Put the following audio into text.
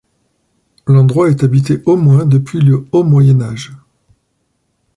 L'endroit est habité au moins depuis le Haut Moyen Âge.